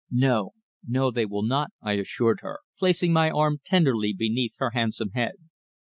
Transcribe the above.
"No, no, they will not," I assured her, placing my arm tenderly beneath her handsome head.